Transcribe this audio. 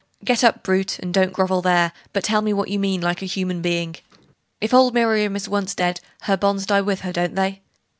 'Get up, brute, and don't grovel there, but tell me what you mean, like a human being. If old Miriam is once dead, her bonds die with her, don't they?